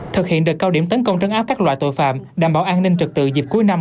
thực hiện được cao điểm tấn công trấn áp các loại tội phạm đảm bảo an ninh trực tự dịp cuối năm